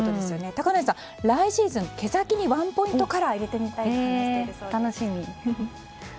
高梨さん、来シーズン毛先にワンポイントカラーを入れてみたいと話しているそうです。